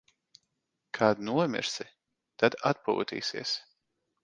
Kad nomirsi, tad atpūtīsies.